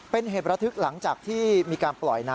เป็นเหตุระทึกหลังจากที่มีการปล่อยน้ำ